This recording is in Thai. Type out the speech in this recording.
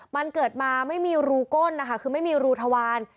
มันเกิดมาไม่มีรูก้นนะคะคือไม่มีรูทวาร